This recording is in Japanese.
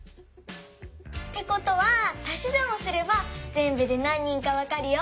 ってことはたしざんをすればぜんぶでなん人かわかるよ。